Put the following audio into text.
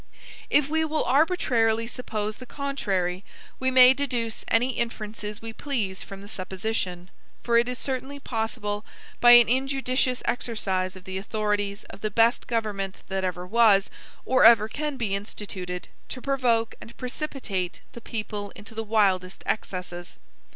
If we will arbitrarily suppose the contrary, we may deduce any inferences we please from the supposition; for it is certainly possible, by an injudicious exercise of the authorities of the best government that ever was, or ever can be instituted, to provoke and precipitate the people into the wildest excesses.